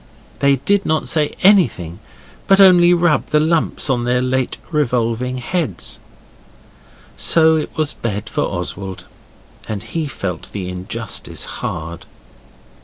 They did not say anything, but only rubbed the lumps on their late revolving heads. So it was bed for Oswald, and he felt the injustice hard.